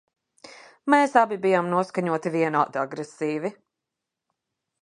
Mēs abi bijām noskaņoti vienādi agresīvi.